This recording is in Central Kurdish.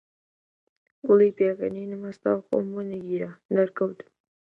کوڵی پێکەنینم هەستا و خۆم بۆ نەگیرا، دەرکەوتم